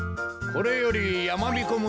これよりやまびこ村